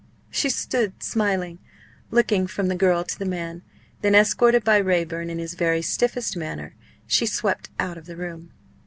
She stood smiling, looking from the girl to the man then, escorted by Raeburn in his very stiffest manner, she swept out of the room.